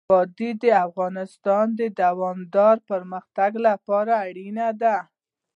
وادي د افغانستان د دوامداره پرمختګ لپاره اړین دي.